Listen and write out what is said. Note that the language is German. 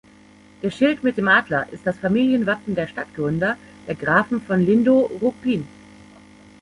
Der Schild mit dem Adler ist das Familienwappen der Stadtgründer, der Grafen von Lindow-Ruppin.